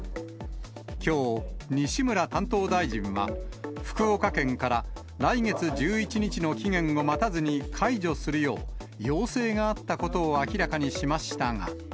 きょう、西村担当大臣は、福岡県から、来月１１日の期限を待たずに解除するよう、要請があったことを明らかにしましたが。